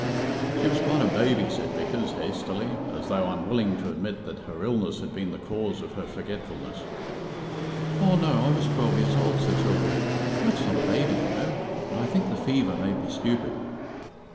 "She was quite a baby," said Vickers, hastily, as though unwilling to admit that her illness had been the cause of her forgetfulness. "Oh, no; I was twelve years old," said Sylvia; "that's not a baby, you know. But I think the fever made me stupid."